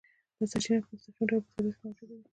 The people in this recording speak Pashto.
دا سرچینې په مستقیم ډول په طبیعت کې موجودې وي.